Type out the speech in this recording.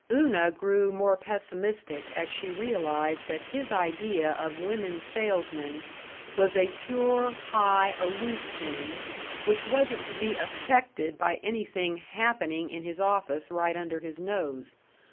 Una grew more pessimistic as she realized that his idea of women salesmen was a pure, high, aloof thing which wasn't to be affected by anything happening in his office right under his nose.